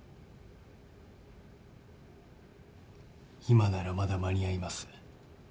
今ならまだ間に合います。